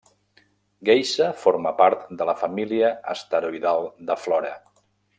Geisha forma part de la família asteroidal de Flora.